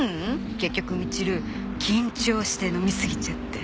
結局みちる緊張して飲みすぎちゃって。